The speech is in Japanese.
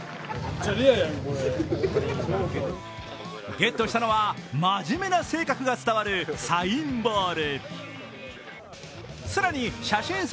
ゲットしたのはまじめな性格が伝わるサインボール。